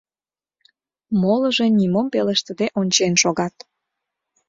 Молыжо нимом пелештыде ончен шогат.